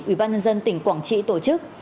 ủy ban nhân dân tỉnh quảng trị tổ chức